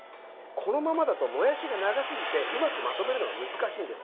このままだともやしが長すぎてうまくまとめるのが難しいんです。